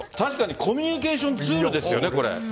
コミュニケーションツールですよねこれ。